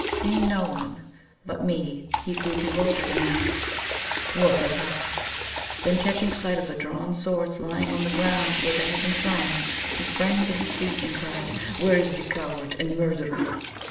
Seeing no one but me he grew bewildered, and asked: "What has happened?" Then catching sight of the drawn swords lying still on the ground where they had been thrown, he sprang to his feet, and cried: "Where is the coward and murderer?"